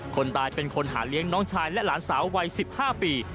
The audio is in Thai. คนตายเป็นคนหาเลี้ยงน้องชายและหลานสาววัย๑๕ปี